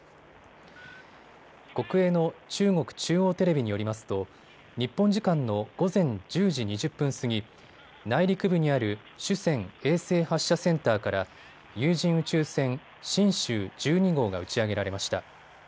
国営の中国中央テレビによりますと日本時間の午前１０時２０分過ぎ、内陸部にある酒泉衛星発射センターから有人宇宙船、神舟１２号が打ち上げられました。